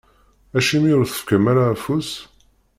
Acimi ur d-tefkam ara afus?